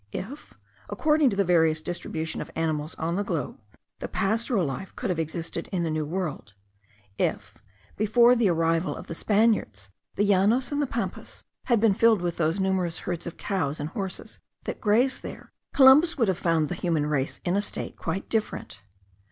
If, according to the various distribution of animals on the globe, the pastoral life could have existed in the New World if, before the arrival of the Spaniards, the Llanos and the Pampas had been filled with those numerous herds of cows and horses that graze there, Columbus would have found the human race in a state quite different.